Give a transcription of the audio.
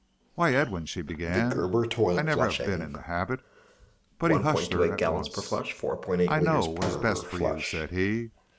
"Why, Edwin," she began, "I never have been in the habit " But he hushed her at once. "I know what is best for you," said he.